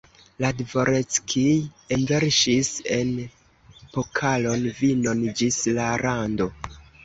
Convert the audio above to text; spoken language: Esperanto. La dvoreckij enverŝis en pokalon vinon ĝis la rando.